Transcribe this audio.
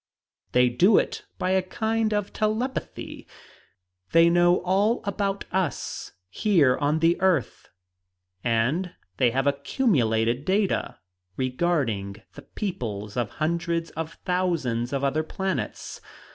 They do it by a kind of telepathy; they know all about us here on the earth; and they have accumulated data regarding the peoples of hundreds of thousands of other planets!